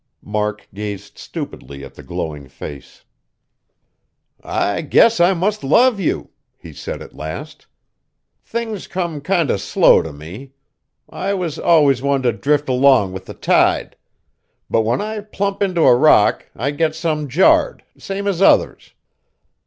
Mark gazed stupidly at the glowing face. "I guess I must love you!" he said at last. "Things come kinder slow t' me. I was allus one t' drift 'long with the tide; but when I plump int' a rock I get some jarred, same as others.